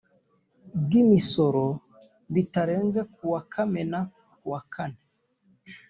bw imisoro bitarenze ku wa kamena ku wakane